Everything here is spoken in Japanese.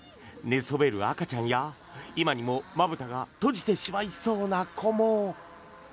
寝そべる赤ちゃんや今にも、まぶたが落ちてしまいそうな子も。